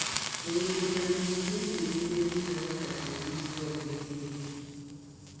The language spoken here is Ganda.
Bulondoganyi ly’eryali erinnya ly’essaza kati eriyitibwa Bugerere.